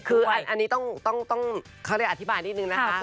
คืออันนี้ต้องเขาเรียกอธิบายนิดนึงนะคะ